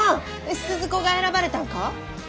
鈴子が選ばれたんか！？